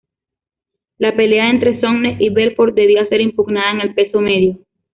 La pelea entre Sonnen y Belfort debía ser impugnada en el peso medio.